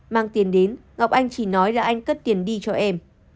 mang tiền đến ngọc anh chỉ nói là anh cất tiền đi cho em